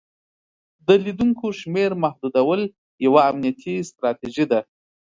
د لیدونکو شمیر محدودول یوه امنیتي ستراتیژي ده.